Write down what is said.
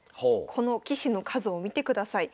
この棋士の数を見てください。